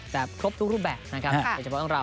จะครบทุกรูปแบบนะครับ